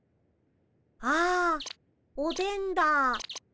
あっおでんだ。